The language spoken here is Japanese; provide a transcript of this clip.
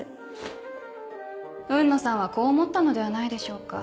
雲野さんはこう思ったのではないでしょうか。